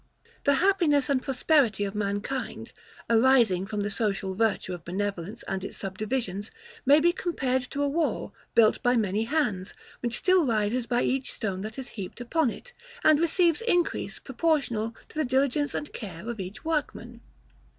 The happiness and prosperity of mankind, arising from the social virtue of benevolence and its subdivisions, may be compared to a wall, built by many hands, which still rises by each stone that is heaped upon it, and receives increase proportional to the diligence and care of each workman.